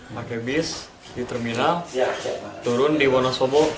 pakai bis di terminal turun di wonosobo